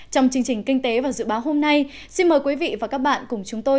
trong chương trình kinh tế và dự báo hôm nay xin mời quý vị và các bạn cùng chúng tôi